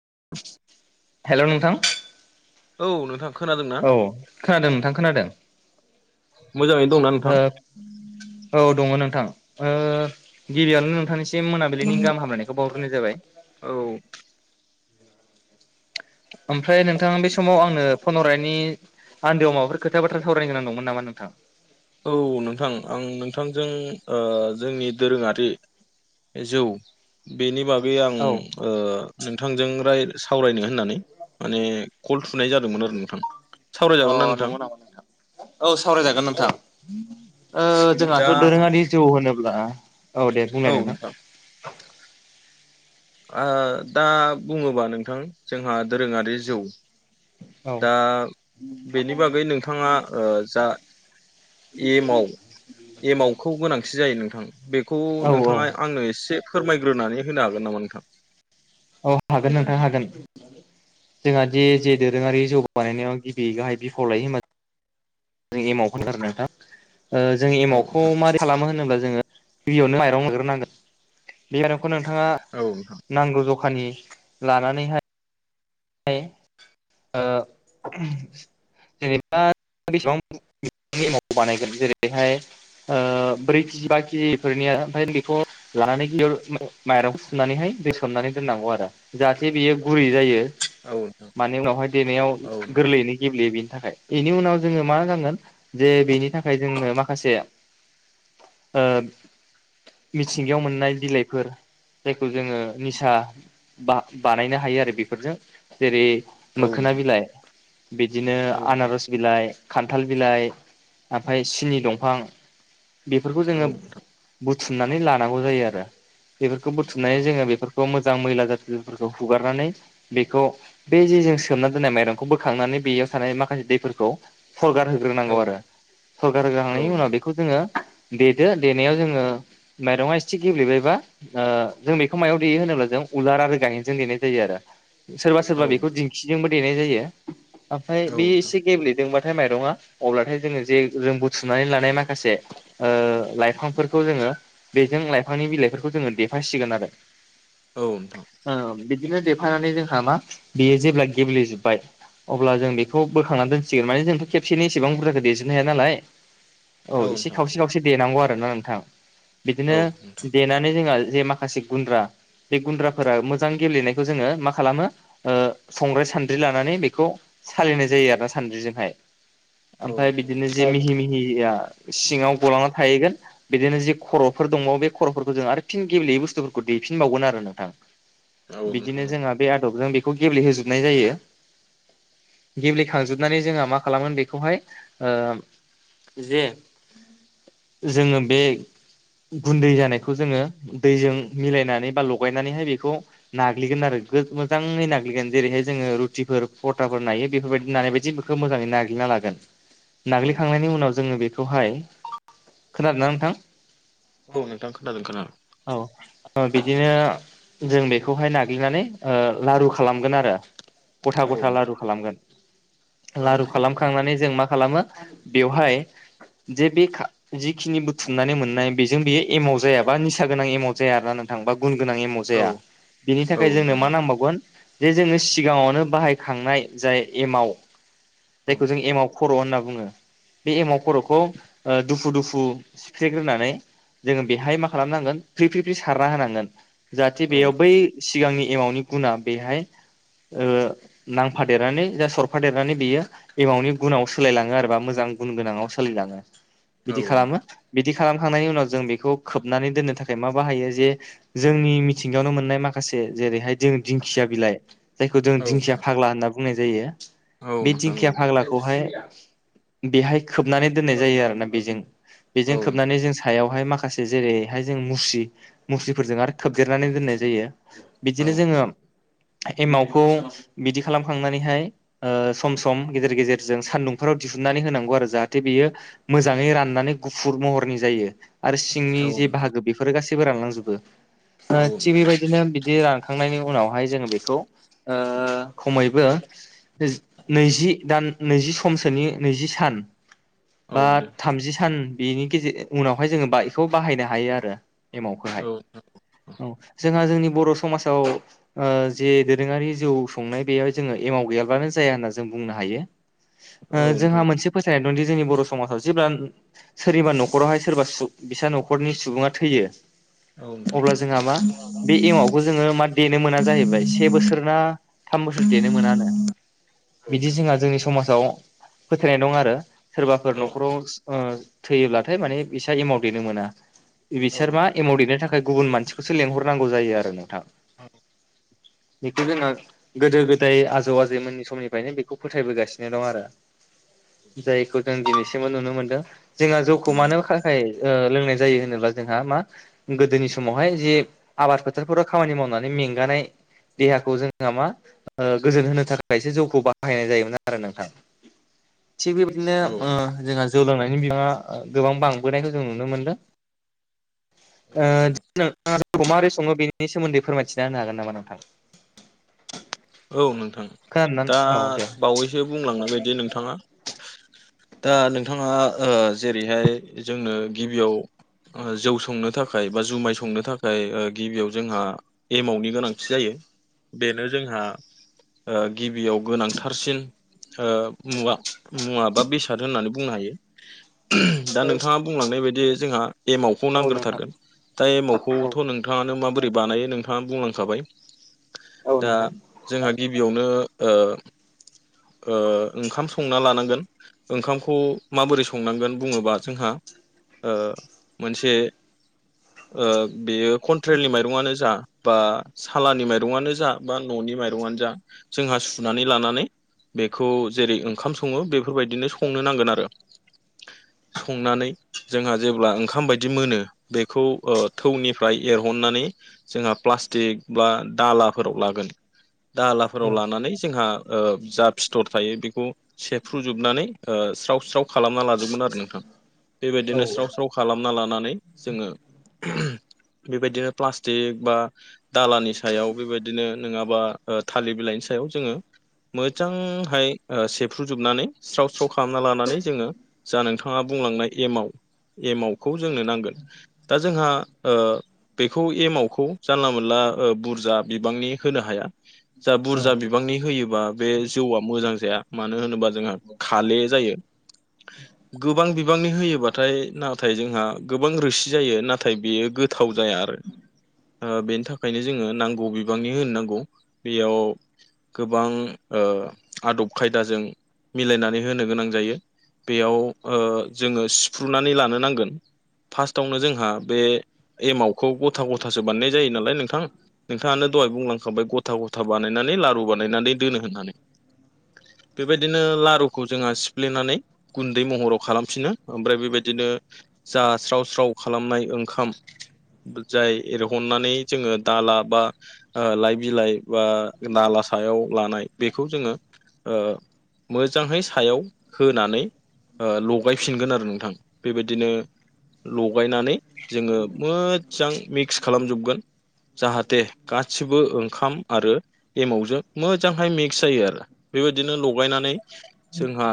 [inaudible] Hello नोंथां। औ नोंथां। खोनादोंना? औ खोनादों नोंथां खोनादो। मोजाङैनो दंना नोंथां? ओ औ दङ नोंथां। ओ गिबियानो नोंथांनिस। सिम मोनाबिलिनि गाहाम हामलायनायखौ बावग्रोनाय जाबाय। औ ओमफ्राय नोंथां बे समाव आंनो फनहरनायनि। आन्दोआव माबाफोर खोथा बाथ्रा सावरायनो दंमोन नामा नोंथां? औ नोंथां आं नोंथां। जों ओ जोंनि दोरोङारि जौ बेनि बागै। गै औ आओ नोंथांजों रायलायनो। सावरायनो होननानै माने कल थुनाय जादोंमोन आरो नोंथां अ सावरायजागोन ना नोंथां। नंगौ नामा औ सावरायजागोन नोंथ। ओ दा जोंहाथ' दोरोङारि जौ होनोब्ला। औ दे बुंनाय नोंथां। दा बुङोबा नोंथां जोंहा दोरोङारि जौ। औ दा बेनि बागै नोंथाङा जा। एमाव एमाव खौ गोनांथि जायो नों। बेखौ औ औ नोंथाङा आंनो इसे फोरमायग्रोनानै होनो हागोन नामा नोंथां। औ हागोन नोंथां हागोन जोंहा जे जे दोरोङारि जौगा। बानायनायाव गिबि गाहाय बिफाव लायो माने। जों एमाव होनथारो नोंथां ओ जों औ नोंथां एमावखौ माबारै खालामो होनोब्ला। नो मखौ नोंथाङा‌ औ नोंथां नांगौ‌ जा। खानल लानानैहाय। [unintelligible] ओ ओम जेनेबा। एमाउट खौ बानायगोन जेरैहाय। ओ ब्रै केजि बा केजि फोरनिया ओमफ्राय बेखौ लानानै गिबियाव माइरं फुनानैहाय। बेसननानै दोननांगौ आरो जाहाथे बेयो गुरै जायो। औ नोंथां माने उनावहाय देनायाव औ नोंथां गोरलैयैनो गेब्लेयो बेयो। थाखाय बेनि उनाव जोङो मा जागोन जे बेनि थाखाय जोंनो माखासे। मिथिंगायाव मोननाय बिलाइफोर। जायखौ जोङो निसा बा-बानायनो हायो आरो बेफोरजो। जेरै औ मोखोना बिलाइ बिदिनो नोंथां आनारस बिलाइ। खान्थाल बिलाइ ओमफ्राय सिनि दंफां बेफोरखौब औ जोङो। नोंथां बुथुमनानै लानांगौ जायो आरो बेफोरखौ बुथुमनानै जोङो बेफोरखौ। बे मोजां मैला जाथिफोरखौ हुगारनानै। बेखौ बे जे जों सोमना दोननाय माइरंखौ बोखांनानै बेयाव थानाय माखासे दैफोरखौ। सरगार औ होग्रोनांगौ आरो सरगार होग्रोखांनायनि उनाव नोंथां बेखौ जोङो। देदो देनाया जोङो। माइरङा एसे गेब्लेबायबा जों बेखौ मायाव देयो होनोब्ला जों उलार आरो गायेनजों देनाय जायो आरो। सोरबा सोरबा औ बेखौ दिंखिजोंबो देनाय जायो ओमफ्राय औ बेयो एसे गेब्लेदोंबा। माइरंङा अब्लाथाय जोङो जे जों बुथुमनानै लानाय माखासे ओ लाइफांफोरखौ जोङो। बेजों लाइफांनि बिलाइफोरखौ जोङो देफासिगोन आरो। औ नोंथां ओ बिदिनो देफानानै जोंहा मा बेयो जेब्ला गेब्लेेजोब्बाय अब्ला जों बेखौ बोखांनानै दोनसिगोन माने जोंथ' खेबसेनि इसेबां बुरजाखौ देजोबनो हाया नालाय औ एसे खावसे खावसे देनांगौ आरोना नोंथां बिदिनो नोंथां देनानै जोंहा जे माखासे गुन्द्रा बे गुन्द्राफोरा मोजां गेलेनायखौ जोङो मा खा खालामो ओ संग्राय सान्द्रि लानानै बेखौ सालिनाय जायो आरो ना सानद्रिजोंहाय औ ओमफाय बिदिनो जे नोंथां मिहि मिहिया सिङाव गलांना थाहैगोन बिदिनो जि खर'फोर दङ' बे खर'फोरखौ जों आरो फिन गेबेयै बुस्थुफोरखौ दैेफिनबावगोन आरो नोंथां। औ नोंथां बिदिनो नंगौ जोंहा बे आदबजों बेखौ गेब्लेहोजोबनाय जायो। गेब्लेखांजोबनानै जोंहा मा खालामो बेखौहाय ओ जे जोङो बे गुन्दै जानायखौ जोङो दैजों मिलायनानै बा लगायनानैहाय बेखौ नाग्लिगोन आरो। बे मोजाङै नाग्लिगोन जेरैहाय जोङो रुटिफोर फरथाफोर नायो बेफोर बायदि नानाय बायदि बेखौ मोजाङै नाग्लिनांगोन नागोन औ नाग्लिखांनायनि उनाव जोङो बेखौहाय खोनादों ना नोंथां औ नोंथां खोनादों खोनादों औ औ बिदिनो जों बेखौहाय नाग्लिनानै ओ लारु खालामगोन आरो गथा औ गथा नोंथां लारु खालामगोन लारु खालामखांनानै जों मा खालामो बेवहाय जे बे खा जिखिनि बुथुमनानै मोननाय बेजों बेयो एमाव जायाबा निसा गोनां एमाव जाया आरना नोंथां बा गुन गोनां एमाव औ जाया बेनि थाखाय जोंनो नोंथां मा औ नांबावगोन जे जोङो सिगाङावनो बाहायखांनाय जाय एमाव औ जायखौ जों एमाव खर' होनना बुङो। बे एमाव खर'खौ ओ दुफु दुफु सिफ्रेग्रोनानै जोङो बेहाय मा खालामनांगोन फ्रि फ्रि फ्रि सारना होनांगोन। जाहाथे औ बेयाव बै सिगांनि एमावनि गुना बेहाय ओ नांफादेरनानै जा सरफादेरनानै बियो एमावनि गुनाव सोलायलाङो आरोबा मोजां गुनगोनाङाव सोलाय लाङो औ बिदि खालामो नोंथां बिदि खालामखांनायनि उनाव जों बेखौ खोबनानै दोननो थाखाय मा बाहायो जे जोंनि मिथिंगायावनो मोननाय माखासे जेरैहाय जों दिंखिया बिलाइ जायखौ जों औ दिंखिया फाग्ला होनना बुंनाय जायो। औ बे नोंथां औ दिंखिया फाग्लाखौहाय बेहाय खोबनानै दोननाय जायो आरोना बिजों बिजों औ खोबनानै जों सायाव बेहाय माखासे जेरैहाय जों मुस्रि मुस्रिफोरजों आरो खोबदेरनानै दोननाय जायो। बिदिनो जोङो एमावखौ बिदि खालामखांनानैहाय ओ सम सम गेजेर गेजेर जों सान्दुंफोराव दिहुन नानै होनांगौ आरो जाहाथे बेयो मोजाङै राननानै गुफुर महरनि जायो। आरो सिंनि औ जे नोंथां बाहागो बेफोरो गासैबो रानलांजोबो औ थिग ओ नोंथां बेबायदिनो बिदि रा खांनायनि उनावहाय जोङो बेखौ ओ खमैबो जि नैजि दा नैजि समसोनि नैजि सान औ बा दे थामजि सान बेनि गेजेर उनावहाय जोङो बेखौ बाहायनो हायो आरो एमावखोहाय। औ औ जोंहा जोंनि बर' समाज [inaudible] ओ जे दोरोङारि जौ संनाय बेयाव जोङो एमाव गैयाब्लानो जाया होनना जों बुंनो हायो। ओ औ जोंहा नोंथां मोनसे फोथायनाय दंदि जोंनि बर' समाजाव जेब्ला सोरनिबा न'खरावहाय सु सोरबा फिसा न'खरनि सुबुङा थैयो। औ अब्ला नोंथां जोंहा मा बे एमावखौ जोङो मा देनो मोना जाहैबाय से बोसोर ना थाम बोसोर देनो मोना आरो। औ बिदि नोंथां जोंहा जोंनि समाजाव फोथायनाय दं आरो सोरबाफोर औ न'खराव थैयोब्लाथाय माने बिसा एमाव देनो मोना औ बिसोर मा एमाव देनो थाखाय गुबुन मानसिखौसो लेंहरनांगौ जायो आरो [inaudible] बेथ जोंना गोदो गोदाय आजौ आजैमोननि समनिफ्रायनो बेखौ फोथायबोगासिनो दं आरो जायखौ जों दिनैसिमबो नुनो मोनदों जोंहा जौखौ मानो थाखाय लोंनाय जायो होनोब्ला जोंहा मा गोदोनि समावहाय जे आबाद फोथार फोराव खामानि मावनानै मेंगानाय। देहाखौ जोंहा मा गोजोन होनो थाखायसो जौखौ बाहायनाय जायोमोन आरो नोंथां [inaudible] थिग बेबायदिनो जोंहा जौ लोंनायनि बिबाङा गोबां बांबोनायखौ जों नुनो नोंथां मोनदों। [inaudible] मारै सङो बेनि नि सोमोन्दै फोरमायथिना होनो हागोन नामा नोंथां? औ नोंथां खोनादोंना दा नोंथां? औ दे बावैसो बुंलांनाय बायदि नोंथाङा। दा नोंथाङा जेरैहाय जोंनो गिबियाव। जौ संनो थाखाय बा जुमाय संनो थाखाय गिबियाव जोंहा एमावनि गोनांथि जायो। बेनो जोंहा गिबियाव गोनांथारसिन मुवा मुवा बा बेसाद होननानै बुंनो हायो। दा नोंथाङा बुंलांनाय बायदि जों एमाव खौ औ नोंथां नांग्रोथारगोन दा एमाव औ खौथ' नोंथाङानो माबोरै। बानायो नोंथाङा बुंलांखाबाय। औ दा नोंथां। जोंहा गिबियावनो ओंखाम संना लानांगोन ओंखामखौ माबोरै संनांगोन बुङोबा जोंहा। मोनसे ओ बेयो कन्ट्रेलनि माइरंआनो जा। बा सालानि माइरंआनो जा बा न'नि माइरंआनो जा जोंहा सुनानै लानानै। बेखौ जेरै ओंखाम सङो बेफोरबायदिनो संनो नांगोन आरो। संनानै जोंहा जेब्ला ओंखाम बायदि मोनो बेखौ थौनिफ्राय एरहर नानै जोंहा प्लासटिक बा दाला फोराव लागोन औ दालाफोराव लानानै जोंहा जा फिथर थायो बेखौ सेफ्रुजोबनानै स्राव स्राव खालामना लाजोबगोन आरो नोंथां औ बेबायदिनो स्राव स्राव खालामना लानानै जोङो बेबायदिनो प्लास्टिक बा दालानि सायाव बेबायदिनो नङाबा थालिर बिलाइनि सायाव जोङो मोजांहाय सेफ्रुजोबनानै स्राव स्राव खालामना लानानै जोङो जा नोंथाङा बुंलांनाय एमाव एमावखौ जोंनो नांगोन दा जोंहा बेखौ एमावखौ जानला मोनला बुरजा बिबांनि होनो हाया जा औ बुरजा बिबांनि होयोबा बे जौआ मोजां जाया मानो होनोबा जोंहा खाले जायो गोबां बिबांनि होयोबाथाय नाथाय जोंहा गोबां रोसि जायो नाथाय बेयो गोथाव जाया बेनि थाखायनो जोङो नांगौ बिबांनि होनोनांगौ बेयाव गोबां आदब खायदाजों मिलायनानै होनो गोनां जायो बेयाव जोङो सिफ्रुनानै लानो नांगोन फार्स्टआवनो जोंहा बे एमावखौ गथा गथ गथासो बानायनाय जायो नालाय नोंथां नोंथाङनो दहाय बुंलांखांबाय गथा गथा बानायनानै लारु बानायनानै दोनो होननानै बेबायदिनो लारुखौ जोंहा सिफ्लेनानै गुन्दै महराव खालामफिनो ओमफ्राय बेबायदिनो जा स्राव स्राव खालामनाय ओंखाम जाय एरहन्नानै जोङो दाला बा लाइ बिलाइ बा दाला सायाव लानाय बेखौ जोङो मोजाङै सायाव होनानै लगायफिनगोन आरो नोंथां बेबायदिनो लगायनानै जोङो मोजां मिक्स खालामजोबगोन जाहाथे गासिबो ओंखाम आरो एमावजों मोजांहाय म जायो आरो बेबायदिनो लगायनानै जोंहा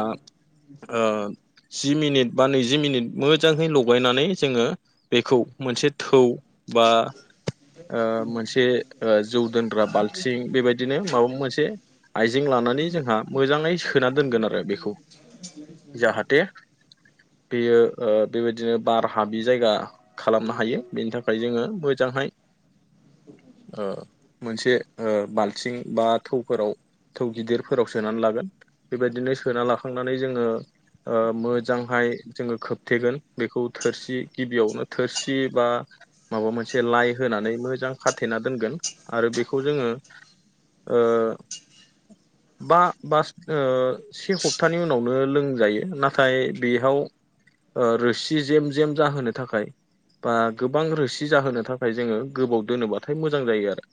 जि मिनिट बा नैजि मिनिट मोजांङै लग लगायनानै जोङो बेखौ मोनसे थौ बा मोनसे जौ दोनग्रा बाल्थिं बेबायदिनो माबा मोनसे आइजें लानानै जोंहा मोजाङै सोना दोनगोन आरो बेखौ जाहाथे [inaudible] बेयो बेबायदिनो बार हाबि जायगा खालामनो हायो बेनि थाखाय जोङो मोजांहाय मोनसे बाल्थिं बा थौफोराव थौ गिदिरफोराव सोनानै लागोन बेबायदिनो सोना लाखांनानै जोङो मोजांहाय जोङो खोबथेगोन बेखौ थोरसि गिबियावनो थोरसि बा माबा मोनसे लाइ होनानै ओ बा बा से हप्तानि उनावनो लोंजायो नाथाय बेयाव रोसि जेम जेम जाहोनो थाखाय बा गोबां रोसि जाहोनो थाखाय जोङो गोबाव दोनोबाथाय मोजां जायो आरो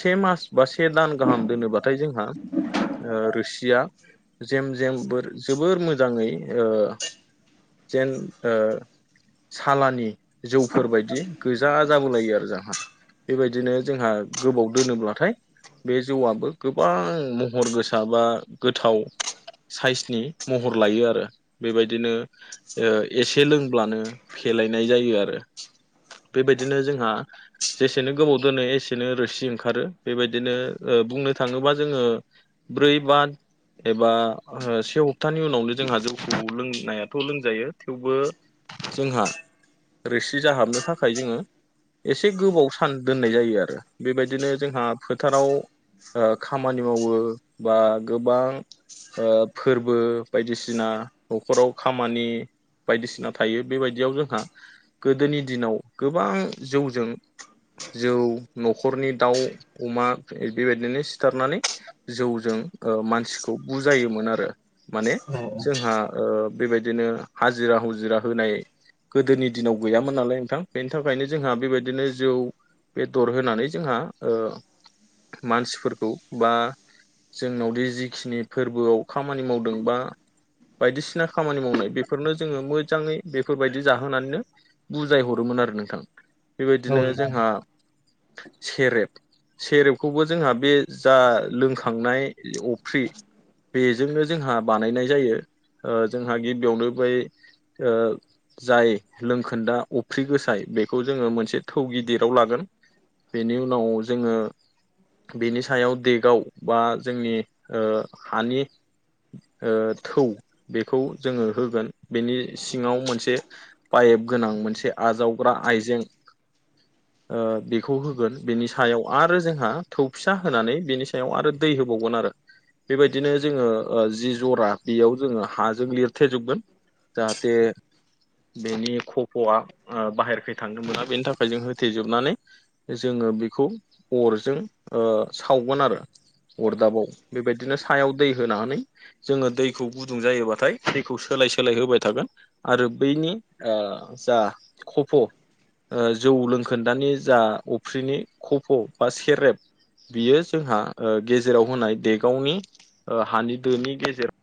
से मास बा से दान गाहाम दोनोब्लाथाय जोंहा रोसिया जेम जेम बोर जोबोर मोजाङै जेन सालानि जौफोर बायदि गोजा जाबोलायो आरो बेबायदिनो जोंहा गोबाव दोनोब्लाथाय बे जौआबो गोबां महर गोसा बा गोथाव साइसनि महर लायो आरो बेबायदिनो एसे लोंब्लानो फेलायनाय जायो आरो बेबायदिनो जोंहा जेसेनो गोबाव दोनो एसेनो रोसि ओंखारो बेबायदिनो बुंनो थाङोबा जोङो ब्रै बा एबा से हप्तानि उनावनो जोंहा जौखौ लोंनायाथ' लोंजायो थेवबो जोंहा रोसि जाहाबनो थाखाय जोङो एसे गोबाव सान दोननाय जायो आरो बेबायदिनो जोंहा फोथाराव खामानि मावो बा गोबां फोरबो बायदिसिना न'खराव खामानि बायदिसिना थायो बेबायदियाव जोंहा गोदोनि दिनाव गोबां जौजों जौ न'खरनि दाउ अमा बेबायदिनो सिथारनानै जौजों मानसिखौ बुजायोमोन आरो माने जोंहा बेबायदिनो हाजिरा हुजिरा होनाय गोदोनि दिनाव गैयामोन नालाय नोंथां बेनि थाखायनो जोंहा बेबायदिनो जौ बेदर होनानै जोंहा मानसिफोरखौ बा जोंनावदि जिखिनि फोरबोआव खामानि मावदों बा बायदिसिना खामानि मावनाय बेफोरनो जोङो मोजाङै बेफोरबायदि जाहोनानैनो बुजायहरोमोन आरो नोंथां बेबायदिनो औ नोंथां। जोंहा सेरेब सेरेबखौबो जोंहा बे जा लोंखांनाय अफ्रि बेजोंनो जोंहा बानायनाय जायो। जोंहा गिबियावनो बै जाय लोंखोन्दा अफ्रि गोसाय बेखौ जोङो मोनसे थौ गिदिराव लागोन बेनि उनाव जोङो बेनि सायाव देगआव बा जोंनि हानि थौ बेखौ जोङो होगोन बेनि सिङाव मोनसे पाइप गोनां मोनसे आजावग्रा आइजें बेखौ होगोन बेनि सायाव आरो जोंहा थौ फि फिसा होनानै बिनि सायाव आरो दै होबावगोन आरो बेबायदिनो जोङो जि जरा बेयाव जोङो हाजों लिरथेजोबगोन। जाहाथे बेनि खफ'आ बाहेरखै थांनो मोना बेनि थाखाय जों होथेजोबनानै जोङो बेखौ अरजों सावगोन आरो। अरदाबाव बेबायदिनो सायाव दै होनानै जोङो दैखौ गुदुं जायोबाथाय दैखौ सोला लाय सोलाय होबाय थागोन आरो बैनि जा खफ' जौ लोंखोन्दानि जा अफ्रिनि खफ' बा सेरेब बियो जोंहा गेजेराव होनाय देगावनि हानि दोनि गेजेराव